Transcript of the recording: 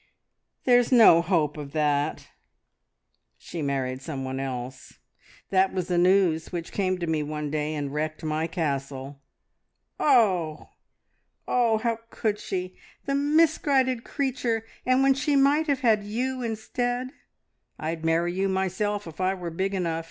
There's no hope of that. She married someone else. That was the news which came to me one day and wrecked my castle!" "Oh, oh! how could she! The misguided creature! And when she might have had you instead! I'd marry you myself if I were big enough!"